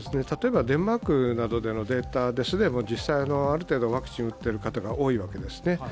デンマークなどでのデータで既に実際、ある程度ワクチンを打ってる方が多いわけですね。